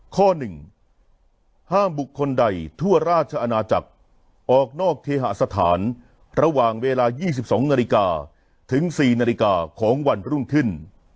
ข้อ๑ห้ามบุคคลใดทั่วราชอาณาจักรออกนอกเคหาสถานระหว่างเวลา๒๒นาฬิกาถึง๔นาฬิกาของวันรุ่งขึ้น